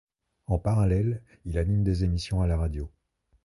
En parallèle, il anime des émissions à la radio.